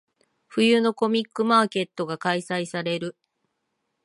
冬のコミックマーケットが開催される。